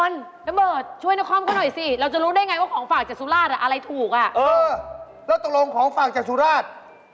แล้วตรงของฝากจากสุราช